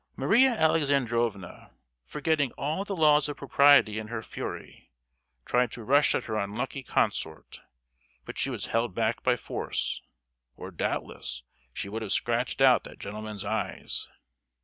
Maria Alexandrovna, forgetting all the laws of propriety in her fury, tried to rush at her unlucky consort; but she was held back by force, or, doubtless, she would have scratched out that gentleman's eyes.